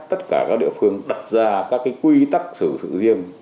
tất cả các địa phương đặt ra các quy tắc xử sự riêng